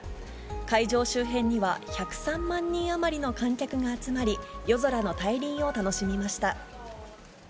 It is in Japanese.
会場周辺には１０３万人余りの観客が集まり、夜空の大輪を楽しみました。